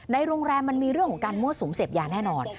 โรงแรมมันมีเรื่องของการมั่วสุมเสพยาแน่นอน